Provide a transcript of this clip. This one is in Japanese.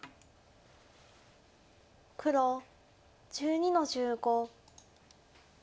黒１２の十五。